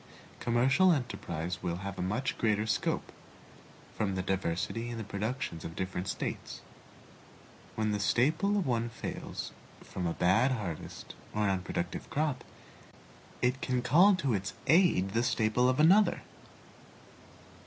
Commercial enterprise will have much greater scope, from the diversity in the productions of different States. When the staple of one fails from a bad harvest or unproductive crop, it can call to its aid the staple of another.